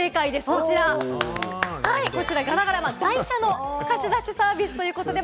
こちら、ガラガラ、台車の貸し出しサービスということです。